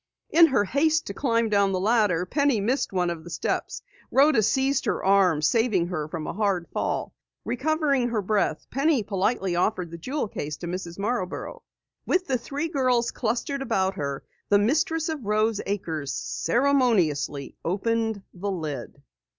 In her haste to climb down from the ladder, Penny missed one of the steps. Rhoda seized her arm saving her from a hard fall. Recovering her breath, Penny politely offered the jewel case to Mrs. Marborough. With the three girls clustered about her, the mistress of Rose Acres ceremoniously opened the lid.